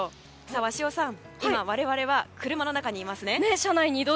鷲尾さん、今我々は車の中にいますね。